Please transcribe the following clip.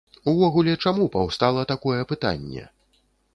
Увогуле чаму паўстала такое пытанне?